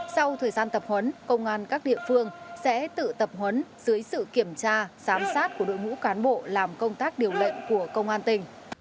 sau thời gian tập huấn công an các địa phương sẽ tự tập huấn dưới sự kiểm tra giám sát của đội ngũ cán bộ làm công tác điều lệnh của công an tỉnh